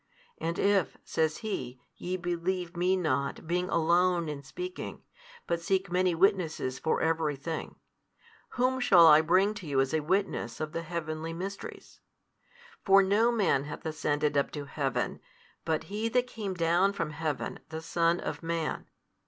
And if, says He, ye believe not Me being Alone in speaking, but seek many witnesses for every thing, whom shall I bring to you as a witness of the heavenly Mysteries? For no man hath ascended up to heaven but He That came down from heaven the Son of man.